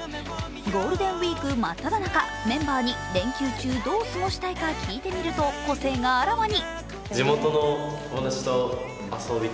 ゴールデンウイーク真っただ中、メンバーに連休中どう過ごしたいか聞いてみると個性があらわに。